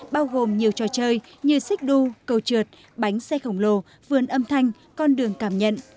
bao gồm nhiều trò chơi như xích đu cầu trượt bánh xe khổng lồ vườn âm thanh con đường cảm nhận